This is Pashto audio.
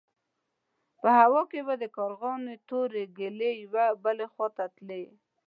په هوا کې به د کارغانو تورې ګلې يوې بلې خوا ته تللې.